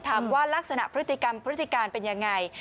ลักษณะพฤติกรรมพฤติการเป็นยังไง